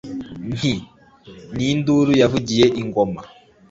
Nti: Ni induru yavugiye i Ngoma